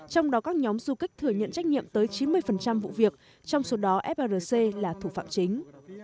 trong đó các nhóm du kích thừa nhận trách nhiệm tới chín mươi vụ việc trong số đó frc là thủ phạm chính